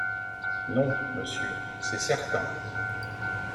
Non, monsieur, c’est certain.